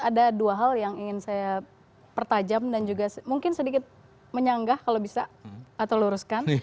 ada dua hal yang ingin saya pertajam dan juga mungkin sedikit menyanggah kalau bisa atau luruskan